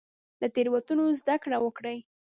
له تیروتنو زده کړه وکړئ